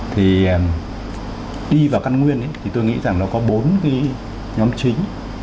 thì đi vào căn nguyên thì tôi nghĩ rằng nó có bốn cái nhóm chính